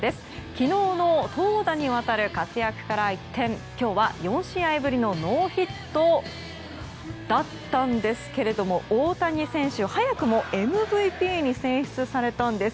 昨日の投打にわたる活躍から一転今日は４試合ぶりのノーヒットだったんですけども大谷選手、早くもＭＶＰに選出されたんです。